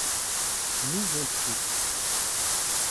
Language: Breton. N'ouzont ket.